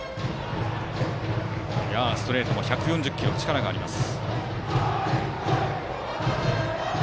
ストレートも１４０キロ力があります。